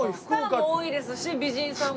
スターも多いですし美人さんも。